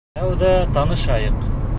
Тәүҙә танышайыҡ.